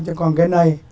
chứ còn cái này